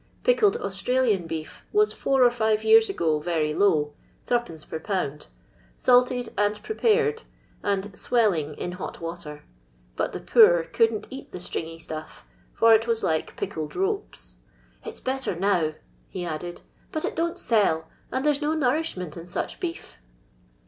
Pickled Australian beef was four or five years ago very low — Zd. per lb. — salted and prepared, and "swelling" in hot water, but the poor " couldn't eat the stringy stuff, for it was like pickled ropes." "It's better now," he added^ " but it don't sell, and there 's no nourishment in such beef."